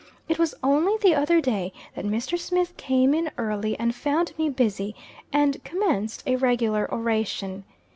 It was only the other day that Mr. Smith came in early, and found me busy; and commenced a regular oration.